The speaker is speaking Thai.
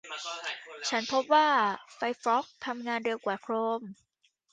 ฉันพบว่าไฟร์ฟอกซ์ทำงานเร็วกว่าโครม